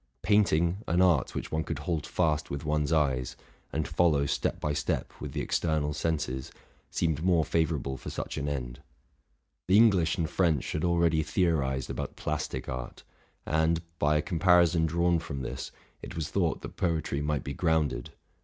Paint ing, an art which one could hold fast with one's eyes, and follow step by step with the external senses, seemed more favorable for such an end: the English and French had already theorized about plastic art; and, by a comparison drawn from this, it was thought that poetry might be grounded.